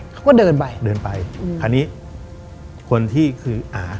เขาก็เดินไปเดินไปอืมคราวนี้คนที่คืออา